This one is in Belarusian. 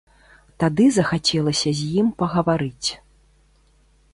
Тады захацелася з ім пагаварыць.